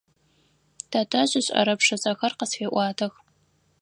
Тэтэжъ ышӏэрэ пшысэхэр къысфеӏуатэх.